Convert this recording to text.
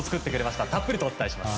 たっぷりお伝えします。